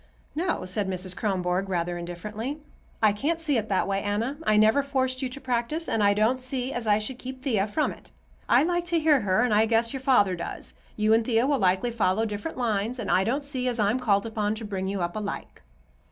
"No," said Mrs. Kronborg, rather indifferently, "I can't see it that way, Anna. I never forced you to practice, and I don't see as I should keep Thea from it. I like to hear her, and I guess your father does. You and Thea will likely follow different lines, and I don't see as I'm called upon to bring you up alike."